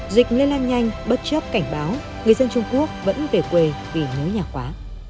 dịch lây lan nhanh bất chấp cảnh báo người dân trung quốc vẫn về quê vì mối nhà quá